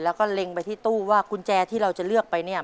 แล้วก็เล็งไปที่ตู้ว่ากุญแจที่เราจะเลือกไปเนี่ย